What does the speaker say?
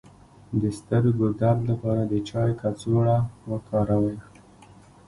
د سترګو درد لپاره د چای کڅوړه وکاروئ